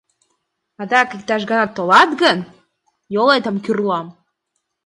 Адак иктаж гана толат гын, йолетым кӱрлам.